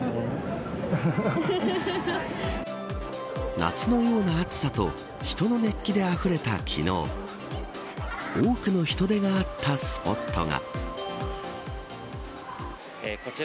夏のような暑さと人の熱気であふれた昨日多くの人出があったスポットは。